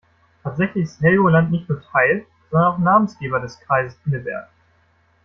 Tatsächlich ist Helgoland nicht nur Teil, sondern auch Namensgeber des Kreises Pinneberg.